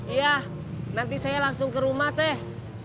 iya nanti saya langsung ke rumah teh